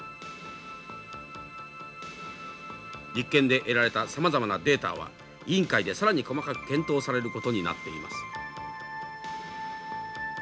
実験で得られたさまざまなデータは委員会で更に細かく検討されることになっています。